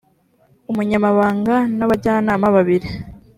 umunyamabanga n abajyanama babiri